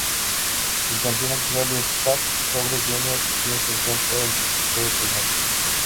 El campeón actual es Zack Sabre Jr., quien se encuentra en su tercer reinado.